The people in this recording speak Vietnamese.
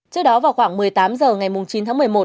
trước đó vào khoảng một mươi tám h ngày chín tháng một mươi một